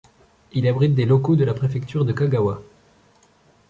Il abrite des locaux de la préfecture de Kagawa.